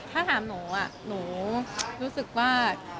ถ้าถามหนูหนูรู้สึกว่า